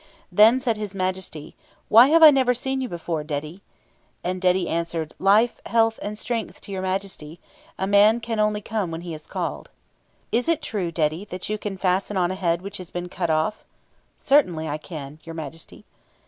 Then said his Majesty, "Why have I never seen you before, Dedi?" And Dedi answered, "Life, health, strength to your Majesty! A man can only come when he is called." "Is it true, Dedi, that you can fasten on a head which has been cut off?" "Certainly I can, your Majesty."